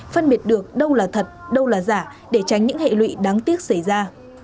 phân biệt được đâu là thật đâu là giả để tránh những hệ lụy đáng tiếc xảy ra